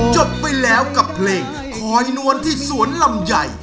จบไปแล้วกับเพลงคอยนวลที่สวนลำไย